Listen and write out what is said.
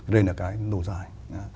đây là cái nâu dài